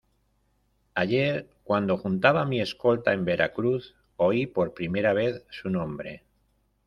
ayer, cuando juntaba mi escolta en Veracruz , oí por primera vez su nombre...